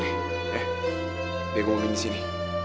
eh ya gue mau ke sini